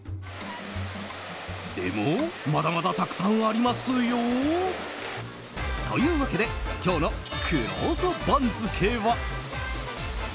でも、まだまだたくさんありますよ。というわけで今日のくろうと番付は。